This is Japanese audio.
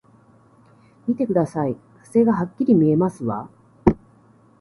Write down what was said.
見てください、火星がはっきり見えますわ！